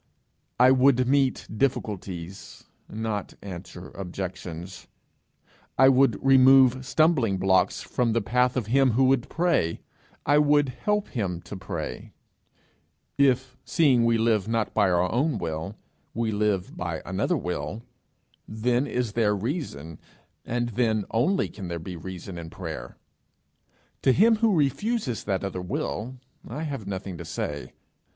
I would meet difficulties, not answer objections; I would remove stumbling blocks from the path of him who would pray; I would help him to pray. If, seeing we live not by our own will, we live by another will, then is there reason, and then only can there be reason in prayer. To him who refuses that other will, I have nothing to say.